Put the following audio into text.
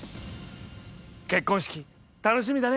結婚式楽しみだね！